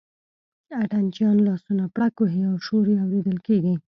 اتڼ چیان لاسونه پړک وهي او شور یې اورېدل کېږي.